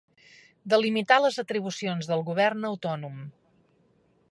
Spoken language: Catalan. Delimitar les atribucions del govern autònom.